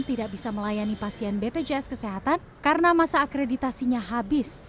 tidak bisa melayani pasien bpjs kesehatan karena masa akreditasinya habis